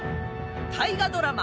大河ドラマ